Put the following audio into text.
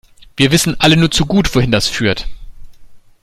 Wir wissen alle nur zu gut, wohin das führt.